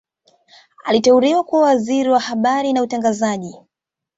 aliteuliwa kuwa Waziri wa habari na utangazaji